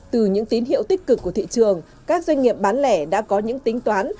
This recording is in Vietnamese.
từ những tín hiệu tích cực của thị trường các doanh nghiệp bán lẻ đã có những tính toán